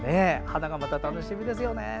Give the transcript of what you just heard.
花がまた楽しみですよね。